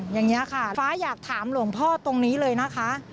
อย่างนี้ค่ะฟ้าอยากถามหลวงพ่อตรงนี้เลยนะคะ